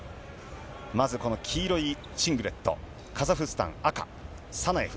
まずこの黄色いシングレット、カザフスタン、赤、サナエフ。